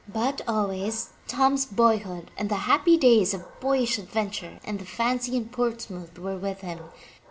But always Tom's boy hood and the happy days of boyish adventure and fancy in Ports mouth were with him.